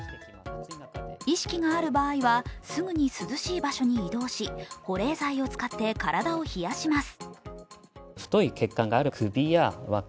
意識がある場合は、すぐに涼しい場所に移動し保冷剤を使って体を冷やします。